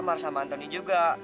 marah sama antoni juga